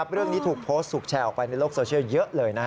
เรื่องนี้ถูกโพสต์ถูกแชร์ออกไปในโลกโซเชียลเยอะเลย